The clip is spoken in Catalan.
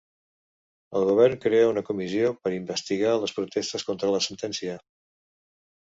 El govern crea una comissió per investigar les protestes contra la sentència